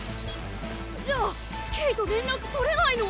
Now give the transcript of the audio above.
じゃあケイと連絡取れないの？